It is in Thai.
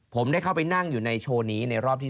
ผมได้เข้าไปนั่งอยู่ในโชว์นี้ในรอบที่๓